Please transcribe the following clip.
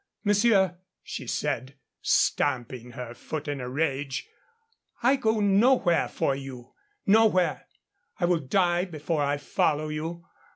"Monsieur," she said, stamping her foot in a rage, "I go nowhere for you. Nowhere. I will die before I follow you.